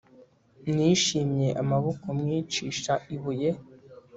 nishimye amaboko mwicisha ibuye